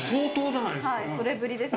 はいそれぶりです。